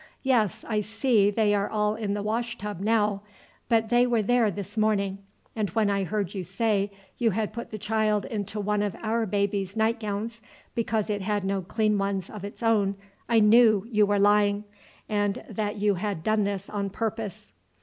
Yes, I see they are all in the wash tub now; but they were there this morning, and when I heard you say you had put the child into one of our baby's night gowns because it had no clean ones of its own, I knew that you were lying, and that you had done this on purpose."